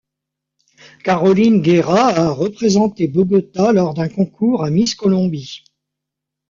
Carolina Guerra a représenté Bogota lors d'un concours à Miss Colombie.